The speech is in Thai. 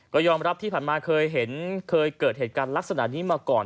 ก็ยอมรับที่ผ่านมาเคยเห็นเคยเกิดเหตุการณ์ลักษณะนี้มาก่อน